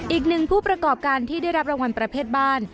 อีกหนึ่งผู้ประกอบการที่ได้รับรางวัลประเภทบ้าน